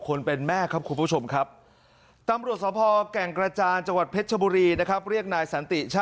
คนเป็นแม่ครับคุณผู้ชมครับตำลวจสาวกแกร่งกระจานจังหวัดเพชร